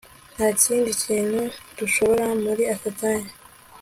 nta kindi kindi dushoboye muri aka kanya